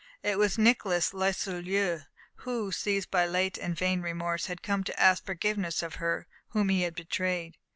It was Nicolaus Loyseleur, who, seized by late and vain remorse, had come to ask forgiveness of her whom he had betrayed.